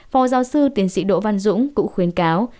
phó giáo sư tiến sĩ đỗ văn dũng cũng khuyến cáo